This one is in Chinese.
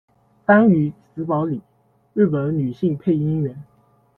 丹羽紫保里，日本女性配音员。